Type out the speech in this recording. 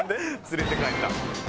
「連れて帰った」